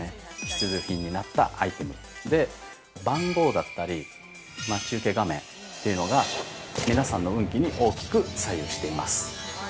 必需品になったアイテムで番号だったり待ち受け画面っていうのが皆さんの運気に大きく左右しています。